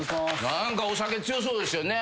何かお酒強そうですよね。